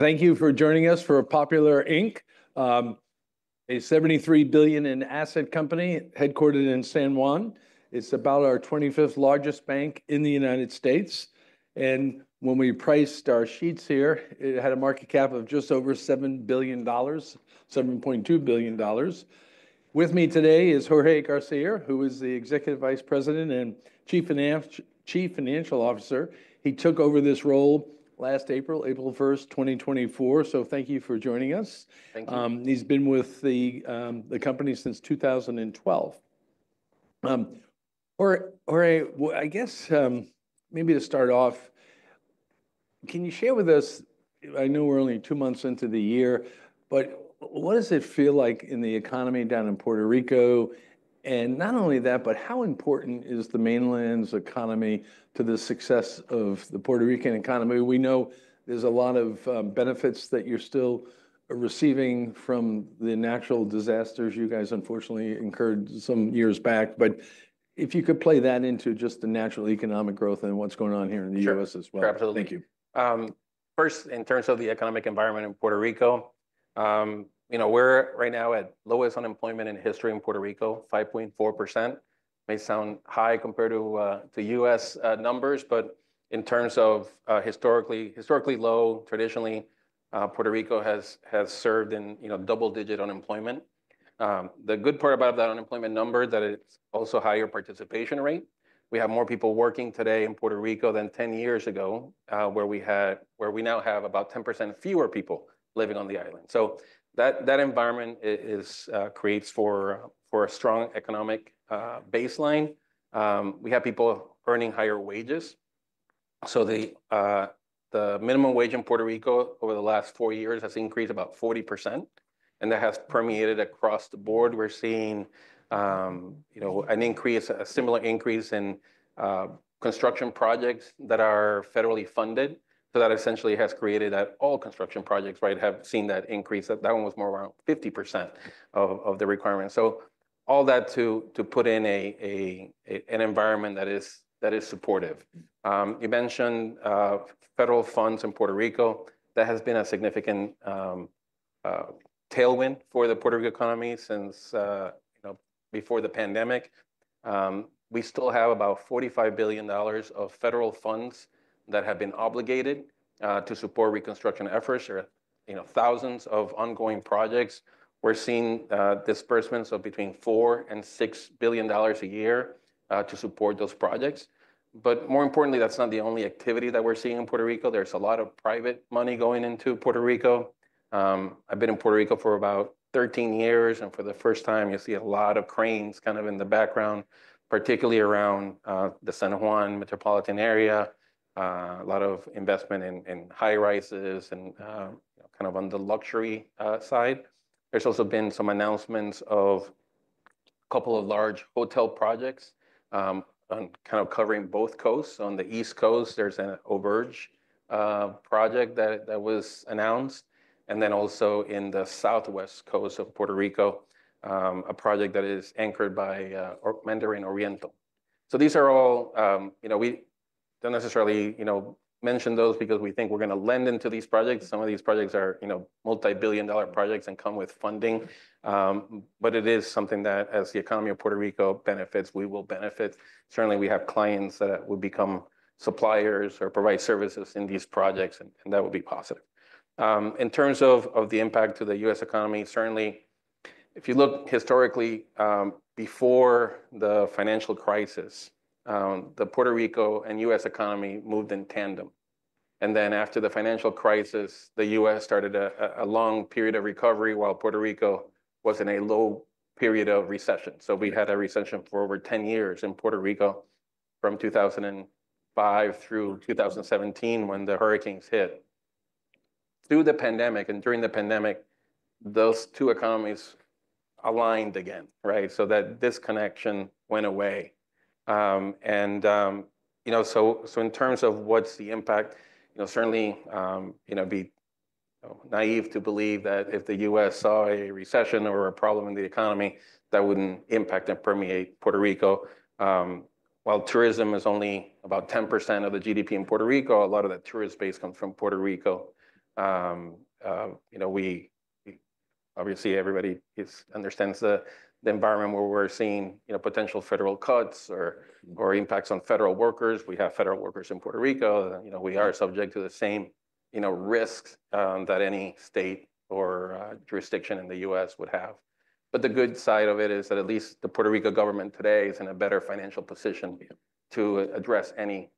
Thank you for joining us for Popular, a $73 billion in assets company headquartered in San Juan. It's about the 25th largest bank in the United States, when we priced our shares here, it had a market cap of just over $7 billion, $7.2 billion. With me today is Jorge García, who is the Executive Vice President and Chief Financial Officer. He took over this role last April, April 1st, 2024, thank you for joining us. Thank you. He's been with the company since 2012. Jorge, I guess maybe to start off, can you share with us, I know we're only two months into the year, but what does it feel like in the economy down in Puerto Rico? And not only that, but how important is the mainland's economy to the success of the Puerto Rican economy? We know there's a lot of benefits that you're still receiving from the natural disasters you guys unfortunately incurred some years back. But if you could play that into just the natural economic growth and what's going on here in the U.S. as well. Sure, absolutely. Thank you. First, in terms of the economic environment in Puerto Rico, you know we're right now at the lowest unemployment in history in Puerto Rico, 5.4%. It may sound high compared to U.S. numbers, but in terms of historically low, traditionally, Puerto Rico has suffered in double-digit unemployment. The good part about that unemployment number is that it's also a higher participation rate. We have more people working today in Puerto Rico than 10 years ago, where we now have about 10% fewer people living on the island. So that environment creates for a strong economic baseline. We have people earning higher wages. So the minimum wage in Puerto Rico over the last four years has increased about 40%. And that has permeated across the board. We're seeing an increase, a similar increase in construction projects that are federally funded. So that essentially has created that all construction projects, right, have seen that increase. That one was more around 50% of the requirement, so all that to put in an environment that is supportive. You mentioned federal funds in Puerto Rico. That has been a significant tailwind for the Puerto Rican economy since before the pandemic. We still have about $45 billion of federal funds that have been obligated to support reconstruction efforts or thousands of ongoing projects. We're seeing disbursements of between $4-$6 billion a year to support those projects. But more importantly, that's not the only activity that we're seeing in Puerto Rico. There's a lot of private money going into Puerto Rico. I've been in Puerto Rico for about 13 years. And for the first time, you see a lot of cranes kind of in the background, particularly around the San Juan metropolitan area. A lot of investment in high rises and kind of on the luxury side. There's also been some announcements of a couple of large hotel projects kind of covering both coasts. On the East Coast, there's an Auberge project that was announced. And then also in the Southwest Coast of Puerto Rico, a project that is anchored by Mandarin Oriental. So these are all, we don't necessarily mention those because we think we're going to lend into these projects. Some of these projects are multi-billion dollar projects and come with funding. But it is something that, as the economy of Puerto Rico benefits, we will benefit. Certainly, we have clients that would become suppliers or provide services in these projects. And that would be positive. In terms of the impact to the U.S. economy, certainly, if you look historically, before the financial crisis, the Puerto Rico and U.S. economy moved in tandem. And then after the financial crisis, the U.S. started a long period of recovery while Puerto Rico was in a low period of recession. So we had a recession for over 10 years in Puerto Rico from 2005 through 2017 when the hurricanes hit. Through the pandemic and during the pandemic, those two economies aligned again, right? So that disconnection went away. And so in terms of what's the impact, certainly, it'd be naive to believe that if the U.S. saw a recession or a problem in the economy, that wouldn't impact and permeate Puerto Rico. While tourism is only about 10% of the GDP in Puerto Rico, a lot of that tourist base comes from Puerto Rico. Obviously, everybody understands the environment where we're seeing potential federal cuts or impacts on federal workers. We have federal workers in Puerto Rico. We are subject to the same risks that any state or jurisdiction in the U.S. would have. But the good side of it is that at least the Puerto Rico government today is in a better financial position to address any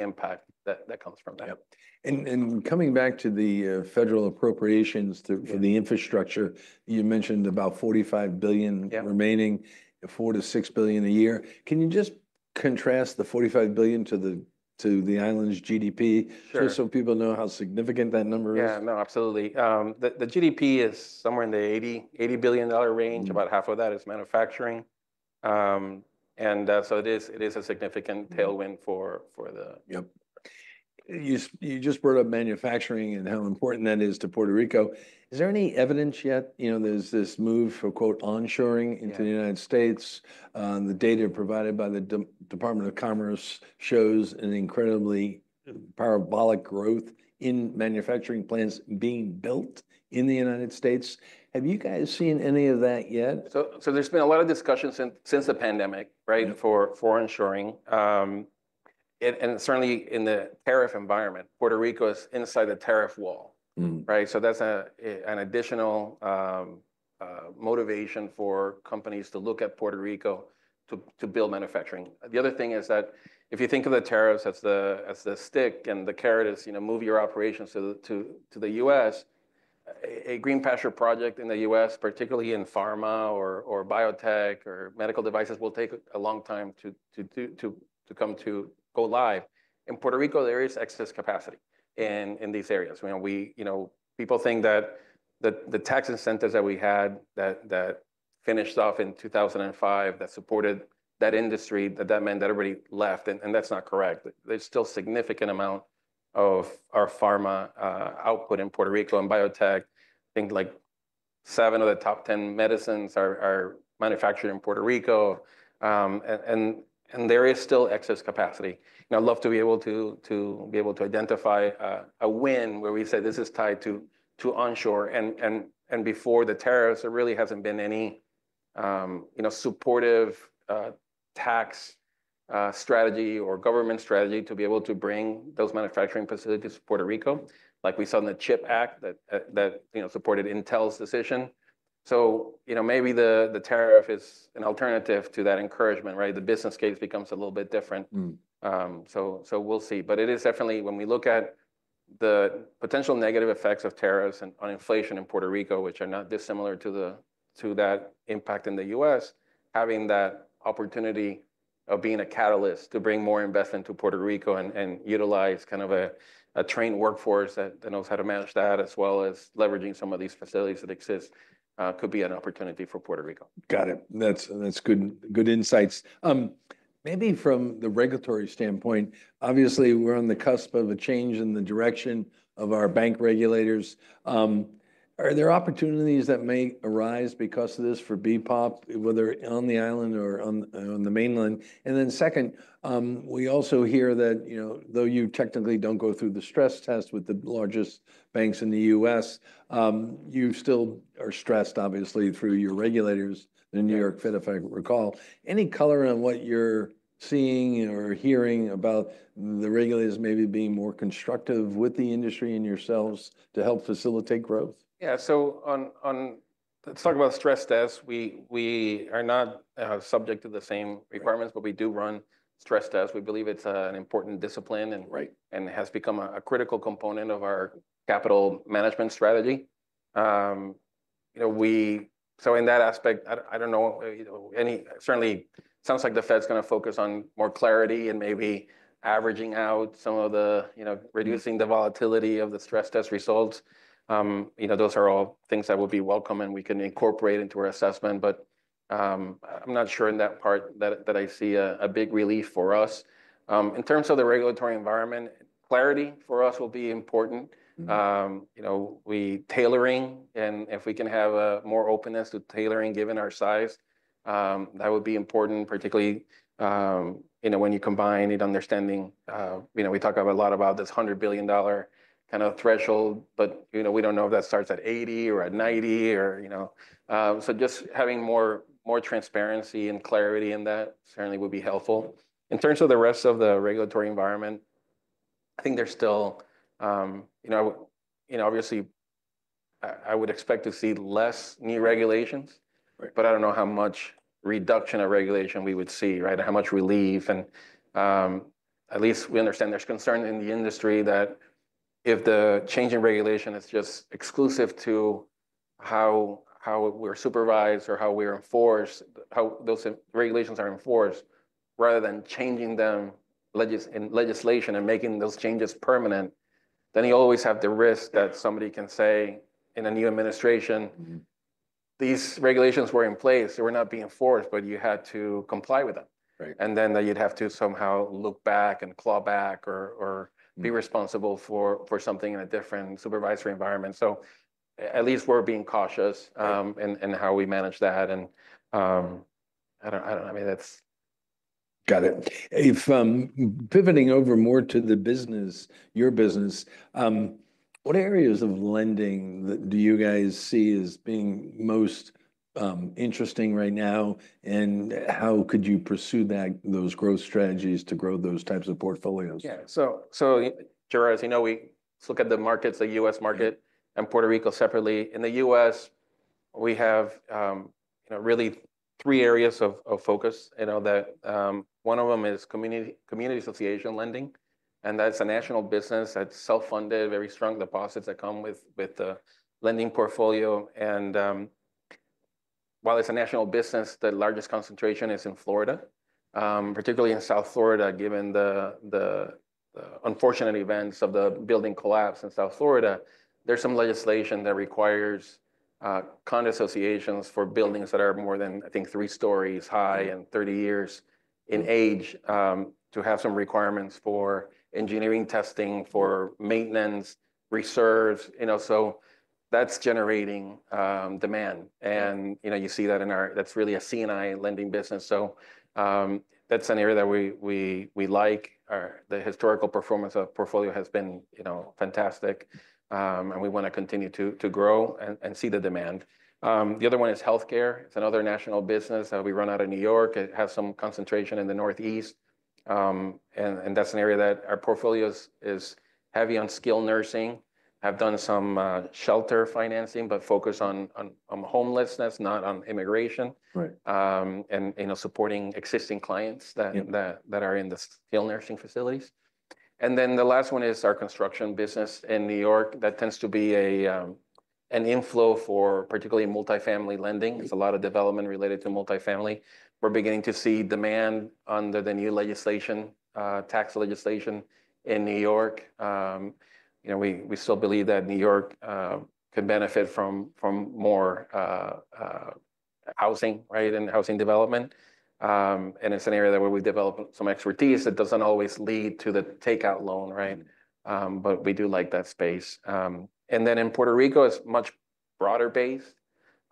impact that comes from that. Coming back to the federal appropriations for the infrastructure, you mentioned about $45 billion remaining, $4-$6 billion a year. Can you just contrast the $45 billion to the island's GDP just so people know how significant that number is? Yeah, no, absolutely. The GDP is somewhere in the $80 billion range. About half of that is manufacturing. And so it is a significant tailwind for the. Yep. You just brought up manufacturing and how important that is to Puerto Rico. Is there any evidence yet? There's this move for, quote, onshoring into the United States. The data provided by the Department of Commerce shows an incredibly parabolic growth in manufacturing plants being built in the United States. Have you guys seen any of that yet? So there's been a lot of discussion since the pandemic, right, for onshoring. And certainly in the tariff environment, Puerto Rico is inside the tariff wall, right? So that's an additional motivation for companies to look at Puerto Rico to build manufacturing. The other thing is that if you think of the tariffs as the stick and the carrot is move your operations to the U.S., a greenfield project in the U.S., particularly in pharma or biotech or medical devices, will take a long time to come to go live. In Puerto Rico, there is excess capacity in these areas. People think that the tax incentives that we had that finished off in 2005 that supported that industry, that that meant that everybody left. And that's not correct. There's still a significant amount of our pharma output in Puerto Rico and biotech. I think like seven of the top 10 medicines are manufactured in Puerto Rico. And there is still excess capacity. And I'd love to be able to identify a win where we say this is tied to onshore. And before the tariffs, there really hasn't been any supportive tax strategy or government strategy to be able to bring those manufacturing facilities to Puerto Rico, like we saw in the CHIPS and Science Act that supported Intel's decision. So maybe the tariff is an alternative to that encouragement, right? The business case becomes a little bit different. So we'll see. But it is definitely, when we look at the potential negative effects of tariffs on inflation in Puerto Rico, which are not dissimilar to that impact in the U.S., having that opportunity of being a catalyst to bring more investment to Puerto Rico and utilize kind of a trained workforce that knows how to manage that, as well as leveraging some of these facilities that exist, could be an opportunity for Puerto Rico. Got it. That's good insights. Maybe from the regulatory standpoint, obviously, we're on the cusp of a change in the direction of our bank regulators. Are there opportunities that may arise because of this for BPOP, whether on the island or on the mainland? And then second, we also hear that, though you technically don't go through the stress test with the largest banks in the U.S., you still are stressed, obviously, through your regulators, the New York Fed, if I recall. Any color on what you're seeing or hearing about the regulators maybe being more constructive with the industry and yourselves to help facilitate growth? Yeah. So let's talk about stress tests. We are not subject to the same requirements, but we do run stress tests. We believe it's an important discipline and has become a critical component of our capital management strategy. So in that aspect, I don't know. Certainly, it sounds like the Fed's going to focus on more clarity and maybe averaging out some of the, reducing the volatility of the stress test results. Those are all things that would be welcome and we can incorporate into our assessment. But I'm not sure in that part that I see a big relief for us. In terms of the regulatory environment, clarity for us will be important. We tailoring, and if we can have more openness to tailoring given our size, that would be important, particularly when you combine it understanding. We talk a lot about this $100 billion kind of threshold, but we don't know if that starts at 80 or at 90 or so. Just having more transparency and clarity in that certainly would be helpful. In terms of the rest of the regulatory environment, I think there's still, obviously, I would expect to see less new regulations, but I don't know how much reduction of regulation we would see, right? How much relief, and at least we understand there's concern in the industry that if the changing regulation is just exclusive to how we're supervised or how we're enforced, how those regulations are enforced, rather than changing them in legislation and making those changes permanent, then you always have the risk that somebody can say in a new administration, these regulations were in place. They were not being enforced, but you had to comply with them. And then you'd have to somehow look back and claw back or be responsible for something in a different supervisory environment. So at least we're being cautious in how we manage that. And I don't know. I mean, that's. Got it. If pivoting over more to the business, your business, what areas of lending do you guys see as being most interesting right now? And how could you pursue those growth strategies to grow those types of portfolios? Yeah. So Jorge, as you know, we look at the markets, the U.S. market and Puerto Rico separately. In the U.S., we have really three areas of focus. One of them is community association lending. And that's a national business that's self-funded, very strong deposits that come with the lending portfolio. And while it's a national business, the largest concentration is in Florida, particularly in South Florida, given the unfortunate events of the building collapse in South Florida. There's some legislation that requires condo associations for buildings that are more than, I think, three stories high and 30 years in age to have some requirements for engineering testing, for maintenance, reserves. So that's generating demand. And you see that in our that's really a C&I lending business. So that's an area that we like. The historical performance of portfolio has been fantastic. We want to continue to grow and see the demand. The other one is healthcare. It's another national business that we run out of New York. It has some concentration in the Northeast. That's an area that our portfolio is heavy on skilled nursing. Have done some shelter financing, but focus on homelessness, not on immigration. Supporting existing clients that are in the skilled nursing facilities. Then the last one is our construction business in New York. That tends to be an inflow for particularly multifamily lending. There's a lot of development related to multifamily. We're beginning to see demand under the new legislation, tax legislation in New York. We still believe that New York could benefit from more housing and housing development. It's an area where we develop some expertise that doesn't always lead to the takeout loan, right? But we do like that space. And then in Puerto Rico, it's much broader based.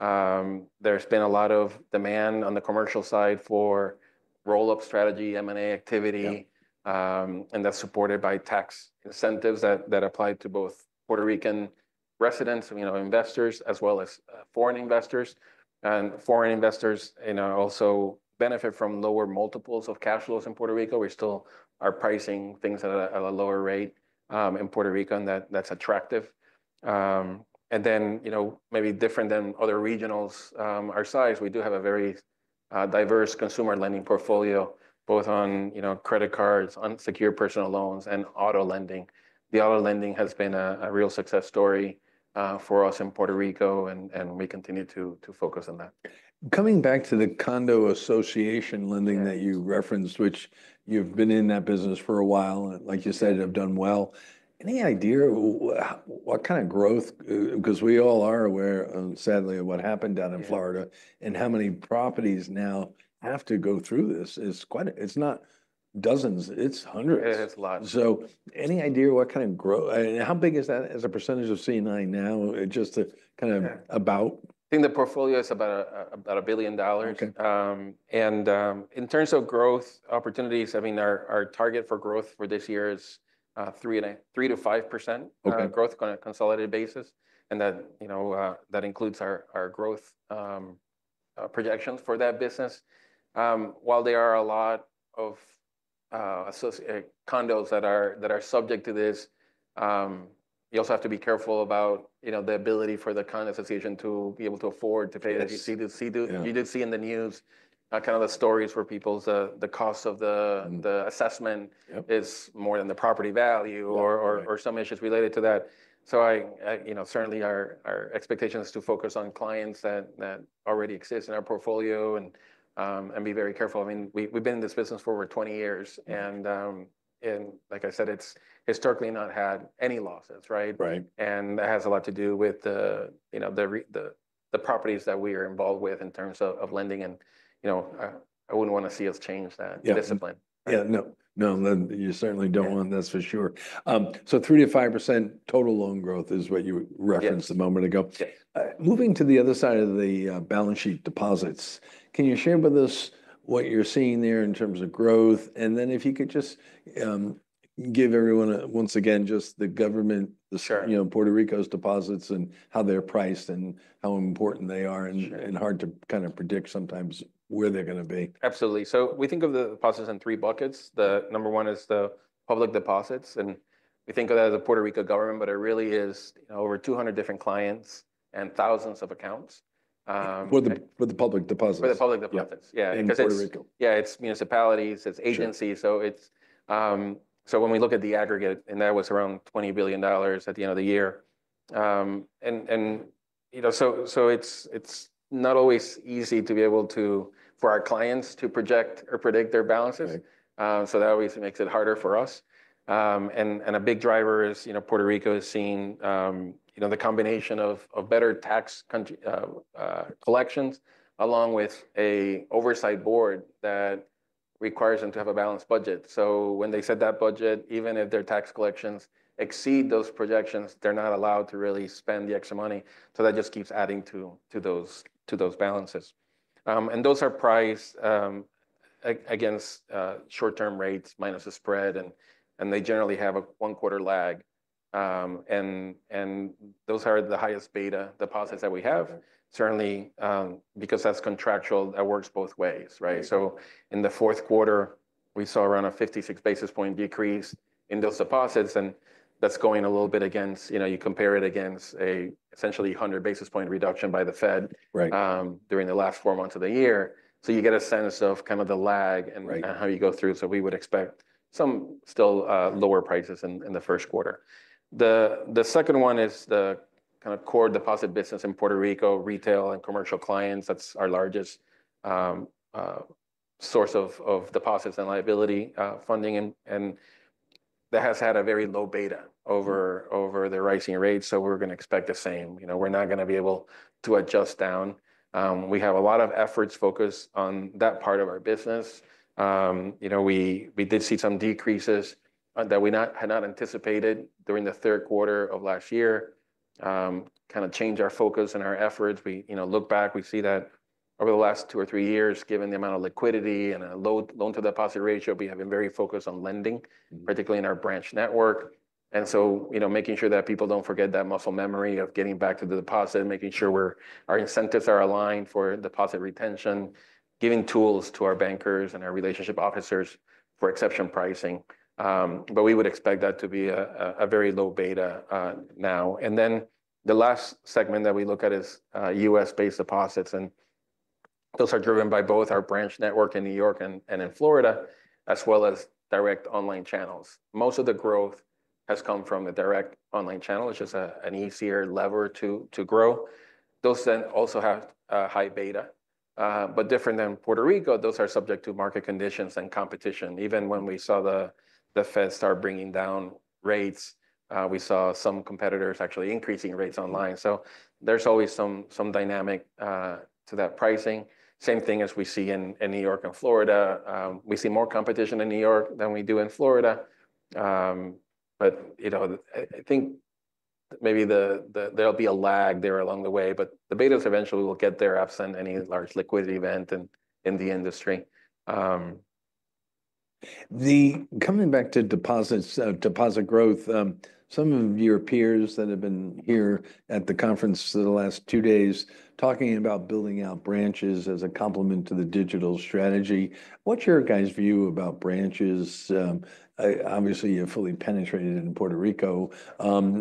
There's been a lot of demand on the commercial side for roll-up strategy, M&A activity. And that's supported by tax incentives that apply to both Puerto Rican residents, investors, as well as foreign investors. And foreign investors also benefit from lower multiples of cash flows in Puerto Rico. We still are pricing things at a lower rate in Puerto Rico, and that's attractive. And then maybe different than other regionals our size, we do have a very diverse consumer lending portfolio, both on credit cards, unsecured personal loans, and auto lending. The auto lending has been a real success story for us in Puerto Rico, and we continue to focus on that. Coming back to the condo association lending that you referenced, which you've been in that business for a while, like you said, have done well. Any idea what kind of growth? Because we all are aware, sadly, of what happened down in Florida and how many properties now have to go through this. It's not dozens, it's hundreds. It is a lot. So, any idea what kind of growth? How big is that as a percentage of C&I now? Just to kind of about. I think the portfolio is about $1 billion. In terms of growth opportunities, I mean, our target for growth for this year is 3%-5% growth on a consolidated basis. That includes our growth projections for that business. While there are a lot of condos that are subject to this, you also have to be careful about the ability for the condo association to be able to afford to pay that you did see in the news, kind of the stories where people's the cost of the assessment is more than the property value or some issues related to that. So certainly our expectation is to focus on clients that already exist in our portfolio and be very careful. I mean, we've been in this business for over 20 years. Like I said, it's historically not had any losses, right? That has a lot to do with the properties that we are involved with in terms of lending. I wouldn't want to see us change that discipline. Yeah, no. No, you certainly don't want that, that's for sure. So 3%-5% total loan growth is what you referenced a moment ago. Moving to the other side of the balance sheet, deposits, can you share with us what you're seeing there in terms of growth? And then if you could just give everyone, once again, just the government, Puerto Rico's deposits and how they're priced and how important they are and hard to kind of predict sometimes where they're going to be. Absolutely. So we think of the deposits in three buckets. The number one is the public deposits. And we think of that as a Puerto Rico government, but it really is over 200 different clients and thousands of accounts. For the public deposits. For the public deposits, yeah. In Puerto Rico. Yeah, it's municipalities. It's agencies. So when we look at the aggregate, and that was around $20 billion at the end of the year. And so it's not always easy to be able to, for our clients to project or predict their balances. So that obviously makes it harder for us. And a big driver is Puerto Rico is seeing the combination of better tax collections along with an oversight board that requires them to have a balanced budget. So when they set that budget, even if their tax collections exceed those projections, they're not allowed to really spend the extra money. So that just keeps adding to those balances. And those are priced against short-term rates minus the spread. And they generally have a one-quarter lag. And those are the highest beta deposits that we have. Certainly, because that's contractual, that works both ways, right? In the fourth quarter, we saw around a 56 basis point decrease in those deposits. And that's going a little bit against, you compare it against an essentially 100 basis point reduction by the Fed during the last four months of the year. So you get a sense of kind of the lag and how you go through. We would expect some still lower prices in the first quarter. The second one is the kind of core deposit business in Puerto Rico, retail and commercial clients. That's our largest source of deposits and liability funding. And that has had a very low beta over the rising rates. So we're going to expect the same. We're not going to be able to adjust down. We have a lot of efforts focused on that part of our business. We did see some decreases that we had not anticipated during the third quarter of last year, kind of change our focus and our efforts. We look back, we see that over the last two or three years, given the amount of liquidity and a low loan-to-deposit ratio, we have been very focused on lending, particularly in our branch network. And so making sure that people don't forget that muscle memory of getting back to the deposit, making sure our incentives are aligned for deposit retention, giving tools to our bankers and our relationship officers for exception pricing. But we would expect that to be a very low beta now. And then the last segment that we look at is U.S.-based deposits. And those are driven by both our branch network in New York and in Florida, as well as direct online channels. Most of the growth has come from the direct online channel, which is an easier lever to grow. Those then also have high beta. But different than Puerto Rico, those are subject to market conditions and competition. Even when we saw the Fed start bringing down rates, we saw some competitors actually increasing rates online. So there's always some dynamic to that pricing. Same thing as we see in New York and Florida. We see more competition in New York than we do in Florida. But I think maybe there'll be a lag there along the way. But the betas eventually will get there absent any large liquidity event in the industry. Coming back to deposit growth, some of your peers that have been here at the conference the last two days talking about building out branches as a complement to the digital strategy. What's your guys' view about branches? Obviously, you're fully penetrated in Puerto Rico.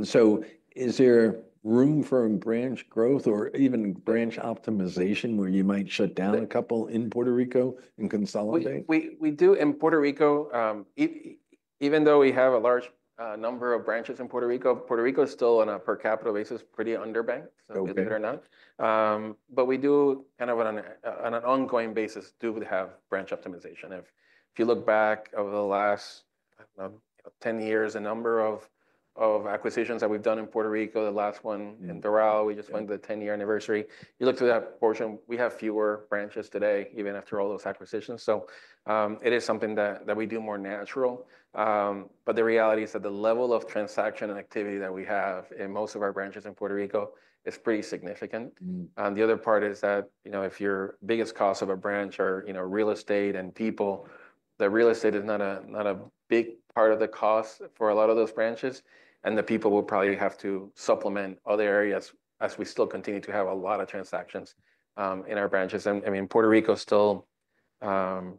So is there room for branch growth or even branch optimization where you might shut down a couple in Puerto Rico and consolidate? We do in Puerto Rico. Even though we have a large number of branches in Puerto Rico, Puerto Rico is still on a per capita basis pretty underbanked, so believe it or not. But we do kind of on an ongoing basis do have branch optimization. If you look back over the last 10 years, the number of acquisitions that we've done in Puerto Rico, the last one in Doral, we just went to the 10-year anniversary. You look to that portion, we have fewer branches today, even after all those acquisitions. So it is something that we do more natural. But the reality is that the level of transaction and activity that we have in most of our branches in Puerto Rico is pretty significant. And the other part is that if your biggest cost of a branch are real estate and people, the real estate is not a big part of the cost for a lot of those branches. And the people will probably have to supplement other areas as we still continue to have a lot of transactions in our branches. I mean, Puerto Rico is still kind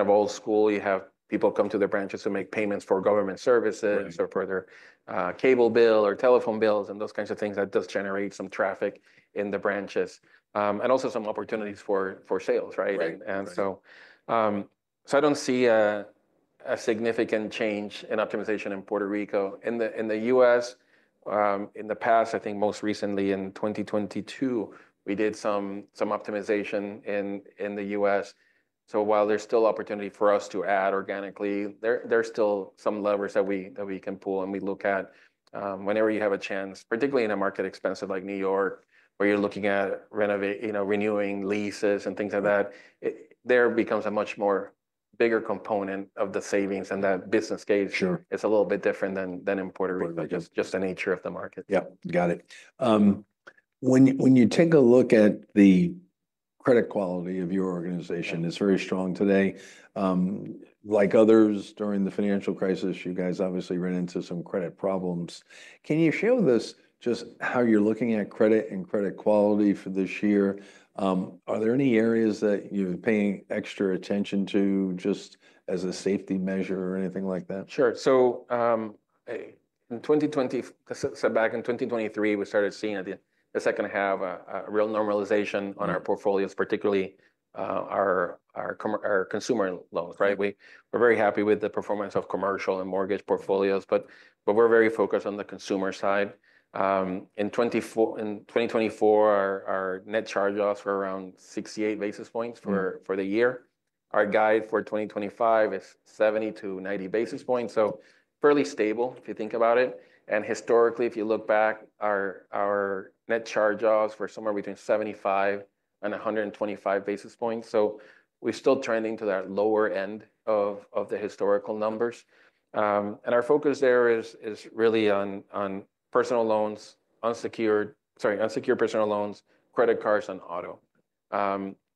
of old school. You have people come to the branches to make payments for government services or for their cable bill or telephone bills and those kinds of things that does generate some traffic in the branches. And also some opportunities for sales, right? And so I don't see a significant change in optimization in Puerto Rico. In the U.S., in the past, I think most recently in 2022, we did some optimization in the U.S. So while there's still opportunity for us to add organically, there's still some levers that we can pull and we look at. Whenever you have a chance, particularly in an expensive market like New York, where you're looking at renewing leases and things like that, there becomes a much bigger component of the savings and that business case is a little bit different than in Puerto Rico, just the nature of the market. Yeah, got it. When you take a look at the credit quality of your organization, it's very strong today. Like others during the financial crisis, you guys obviously ran into some credit problems. Can you share with us just how you're looking at credit and credit quality for this year? Are there any areas that you're paying extra attention to just as a safety measure or anything like that? Sure. So back in 2023, we started seeing in the second half a real normalization on our portfolios, particularly our consumer loans, right? We're very happy with the performance of commercial and mortgage portfolios, but we're very focused on the consumer side. In 2024, our net charge-offs were around 68 basis points for the year. Our guide for 2025 is 70-90 basis points. So fairly stable if you think about it. And historically, if you look back, our net charge-offs were somewhere between 75 and 125 basis points. So we're still trending to that lower end of the historical numbers. And our focus there is really on personal loans, unsecured, sorry, unsecured personal loans, credit cards, and auto.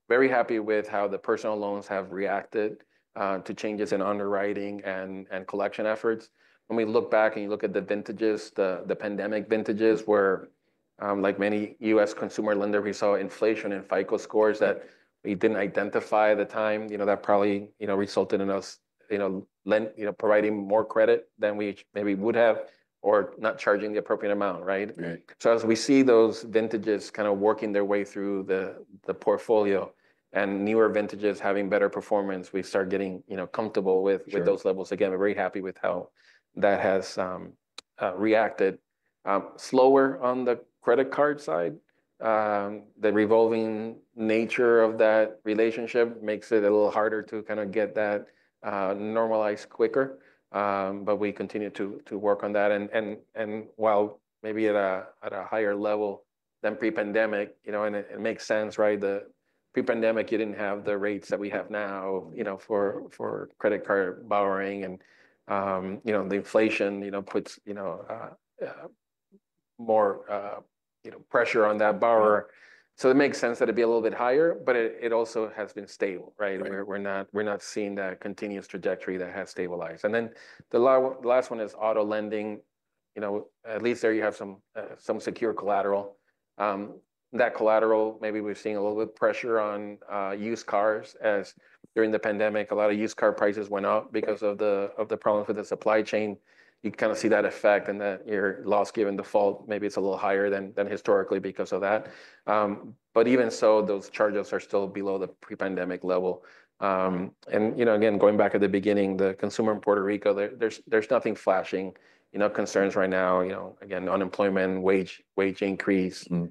Very happy with how the personal loans have reacted to changes in underwriting and collection efforts. When we look back and you look at the vintages, the pandemic vintages, where like many U.S. consumer lenders, we saw inflation in FICO scores that we didn't identify at the time. That probably resulted in us providing more credit than we maybe would have or not charging the appropriate amount, right? So as we see those vintages kind of working their way through the portfolio and newer vintages having better performance, we start getting comfortable with those levels. Again, we're very happy with how that has reacted. Slower on the credit card side, the revolving nature of that relationship makes it a little harder to kind of get that normalized quicker. But we continue to work on that. And while maybe at a higher level than pre-pandemic, and it makes sense, right? Pre-pandemic, you didn't have the rates that we have now for credit card borrowing. And the inflation puts more pressure on that borrower. So it makes sense that it'd be a little bit higher, but it also has been stable, right? We're not seeing that continuous trajectory that has stabilized. And then the last one is auto lending. At least there you have some secure collateral. That collateral, maybe we're seeing a little bit of pressure on used cars as during the pandemic, a lot of used car prices went up because of the problems with the supply chain. You kind of see that effect and that your loss given default, maybe it's a little higher than historically because of that. But even so, those charges are still below the pre-pandemic level. And again, going back at the beginning, the consumer in Puerto Rico, there's nothing flashing concerns right now. Again, unemployment, wage increase, and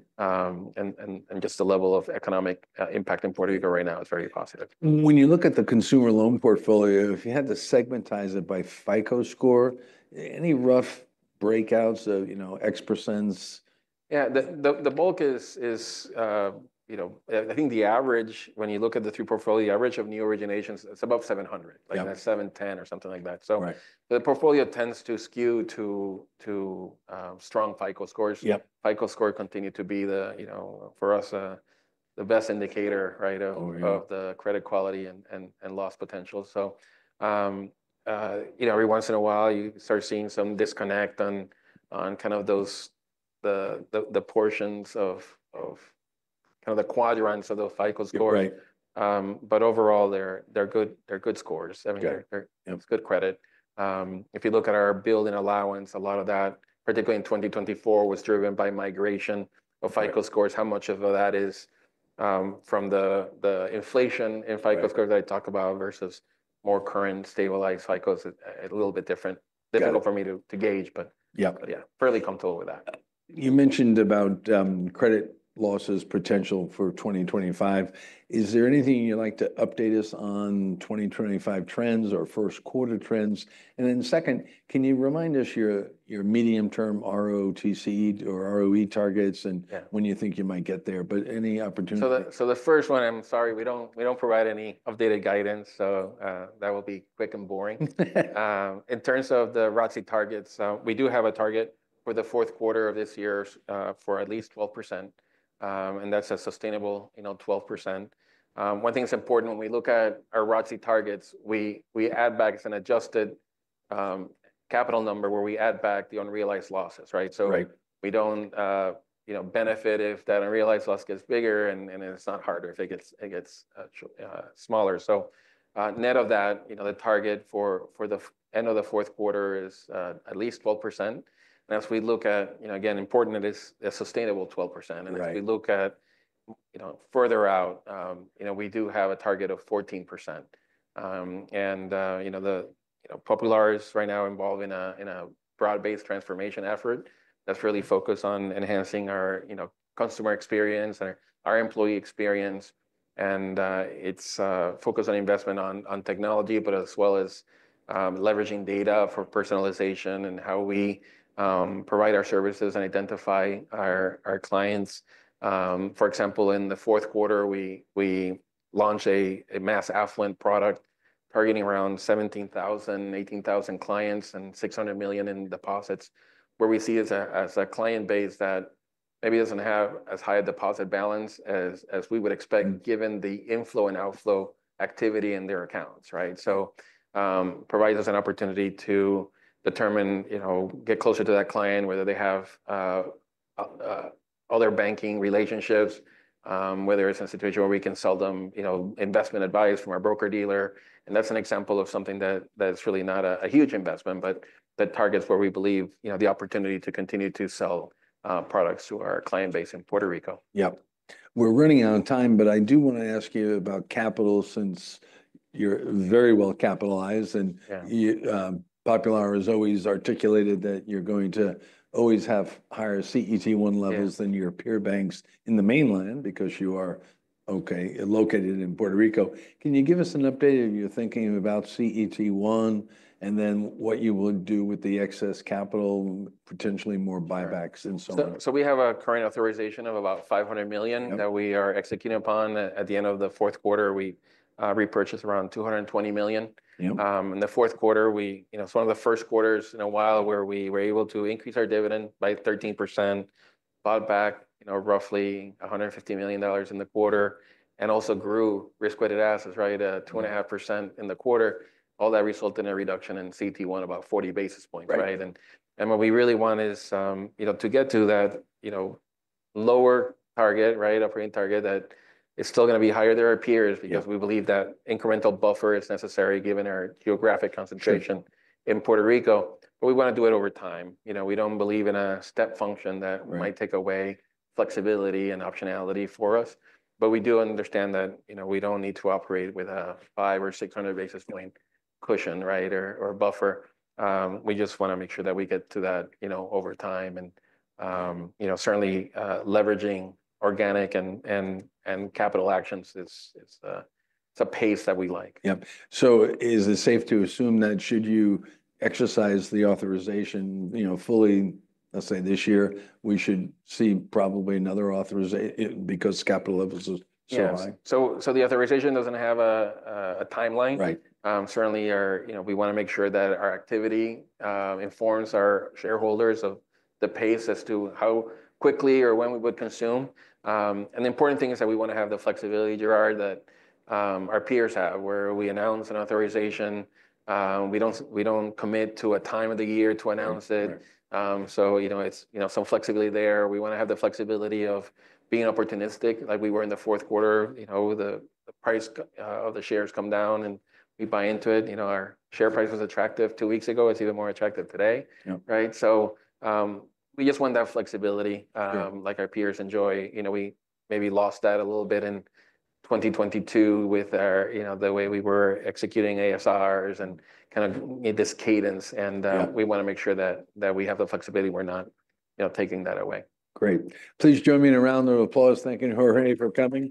just the level of economic impact in Puerto Rico right now is very positive. When you look at the consumer loan portfolio, if you had to segmentize it by FICO score, any rough breakouts of X%? Yeah, the bulk is, I think, the average, when you look at the three portfolio average of new originations, it's above 700, like 710 or something like that. So the portfolio tends to skew to strong FICO scores. FICO score continued to be for us the best indicator of the credit quality and loss potential. So every once in a while, you start seeing some disconnect on kind of the portions of kind of the quadrants of the FICO score. But overall, they're good scores. I mean, it's good credit. If you look at our building allowance, a lot of that, particularly in 2024, was driven by migration of FICO scores. How much of that is from the inflation in FICO scores that I talk about versus more current stabilized FICOs is a little bit different. Difficult for me to gauge, but yeah, fairly comfortable with that. You mentioned about credit losses potential for 2025. Is there anything you'd like to update us on 2025 trends or first quarter trends? And then second, can you remind us your medium-term ROTCE or ROE targets and when you think you might get there? But any opportunity? So the first one, I'm sorry, we don't provide any updated guidance. So that will be quick and boring. In terms of the ROTCE targets, we do have a target for the fourth quarter of this year for at least 12%. And that's a sustainable 12%. One thing that's important when we look at our ROTCE targets, we add back an adjusted capital number where we add back the unrealized losses, right? So we don't benefit if that unrealized loss gets bigger and it's not harder, if it gets smaller. So net of that, the target for the end of the fourth quarter is at least 12%. And as we look at, again, important it is a sustainable 12%. And as we look at further out, we do have a target of 14%. The Popular is right now involved in a broad-based transformation effort that's really focused on enhancing our consumer experience and our employee experience. It's focused on investment on technology, but as well as leveraging data for personalization and how we provide our services and identify our clients. For example, in the fourth quarter, we launched a mass affluent product targeting around 17,000-18,000 clients and $600 million in deposits, where we see as a client base that maybe doesn't have as high a deposit balance as we would expect given the inflow and outflow activity in their accounts, right? It provides us an opportunity to determine, get closer to that client, whether they have other banking relationships, whether it's a situation where we can sell them investment advice from our broker-dealer. That's an example of something that's really not a huge investment, but that targets where we believe the opportunity to continue to sell products to our client base in Puerto Rico. Yep. We're running out of time, but I do want to ask you about capital since you're very well capitalized. And Popular has always articulated that you're going to always have higher CET1 levels than your peer banks in the mainland because you are located in Puerto Rico. Can you give us an update of your thinking about CET1 and then what you would do with the excess capital, potentially more buybacks and so on? We have a current authorization of about $500 million that we are executing upon. At the end of the fourth quarter, we repurchased around $220 million. In the fourth quarter, it is one of the first quarters in a while where we were able to increase our dividend by 13%, bought back roughly $150 million in the quarter, and also grew risk-weighted assets, right, 2.5% in the quarter. All that resulted in a reduction in CET1 about 40 basis points, right? And what we really want is to get to that lower target, right, operating target that is still going to be higher than our peers because we believe that incremental buffer is necessary given our geographic concentration in Puerto Rico. But we want to do it over time. We do not believe in a step function that might take away flexibility and optionality for us. But we do understand that we don't need to operate with a 500 or 600 basis points cushion, right, or buffer. We just want to make sure that we get to that over time. And certainly leveraging organic and capital actions, it's a pace that we like. Yep. So is it safe to assume that should you exercise the authorization fully, let's say this year, we should see probably another authorization because capital levels are so high? The authorization doesn't have a timeline. Certainly, we want to make sure that our activity informs our shareholders of the pace as to how quickly or when we would consume. And the important thing is that we want to have the flexibility, Jorge, that our peers have where we announce an authorization. We don't commit to a time of the year to announce it. So it's some flexibility there. We want to have the flexibility of being opportunistic. Like we were in the fourth quarter, the price of the shares come down and we buy into it. Our share price was attractive two weeks ago. It's even more attractive today, right? So we just want that flexibility like our peers enjoy. We maybe lost that a little bit in 2022 with the way we were executing ASRs and kind of need this cadence. We want to make sure that we have the flexibility. We're not taking that away. Great. Please join me in a round of applause, thanking Jorge for coming.